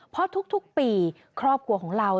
เพราะทุกปีครอบครัวของเรา